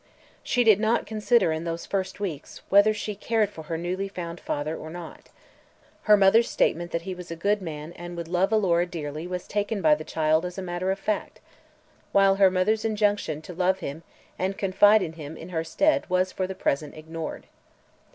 She did not consider, in those first weeks, whether she cared for her newly found father or not. Her mother's statement that he was a "good man" and would love Alora dearly was taken by the child as a matter of fact, while her mother's injunction to love him and confide in him in her stead was for the present ignored.